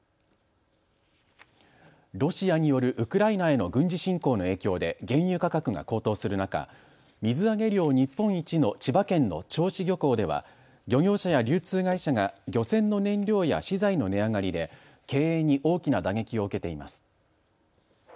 ロシアによるウクライナへの軍事侵攻の影響で原油価格が高騰する中、水揚げ量日本一の千葉県の銚子漁港では漁業者や流通会社が漁船の燃料や資材の値上がりで経営に大きな打撃を受けています。